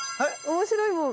面白いもん。